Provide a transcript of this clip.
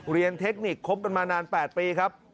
เทคนิคคบกันมานาน๘ปีครับ